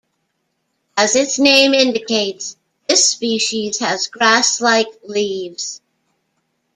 As its name indicates, this species has grass-like leaves.